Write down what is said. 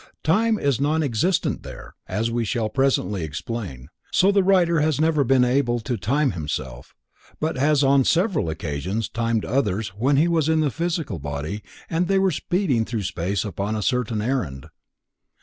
Time is nonexistent there, as we shall presently explain, so the writer has never been able to time himself, but has on several occasions timed others when he was in the physical body and they speeding through space upon a certain errand.